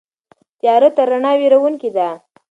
تیاره تر رڼا وېروونکې ده.